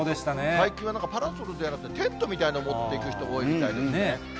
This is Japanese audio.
最近はパラソルではなくて、テントみたいなのを持っていく人が多いみたいですね。